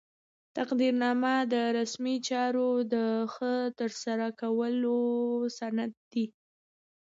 تقدیرنامه د رسمي چارو د ښه ترسره کولو سند دی.